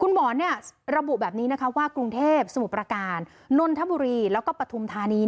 คุณหมอระบุแบบนี้ว่ากรุงเทพฯสมุปราการนนทบุรีแล้วก็ปฐมธานี